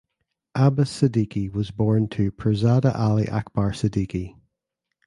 Abbas Siddiqui was born to Pirzada Ali Akbar Siddiqui.